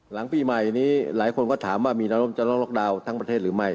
หลังปีใหม่นี้หลายคนก็ถามว่ามีนร่มจะต้องล็อกดาวน์ทั้งประเทศหรือไม่